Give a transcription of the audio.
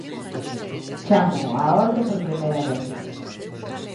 Chámoo á orde por primeira vez.